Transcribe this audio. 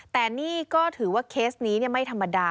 แต่นี่ก็ถือว่าเคสนี้ไม่ธรรมดา